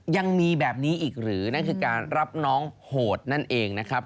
ยังมีแบบนี้อีกหรือนั่นคือการรับน้องโหดนั่นเองนะครับ